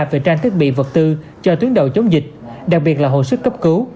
về tranh thiết bị vật tư cho tuyến đầu chống dịch đặc biệt là hồ sức cấp cứu